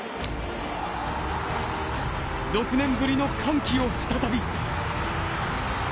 ６年ぶりの歓喜を再び。